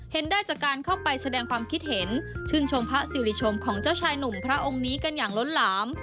เห็นได้จากการเข้าไปแสดงความคิดเห็นชื่นชมพระสิริชมของเจ้าชายหนุ่มพระองค์นี้กันอย่างล้นหลาม